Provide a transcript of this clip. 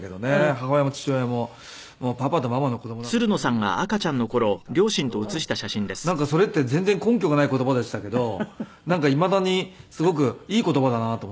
母親も父親も「パパとママの子供だから大丈夫だから」って言われ続けてきたんですけどなんかそれって全然根拠がない言葉でしたけどいまだにすごくいい言葉だなと思って。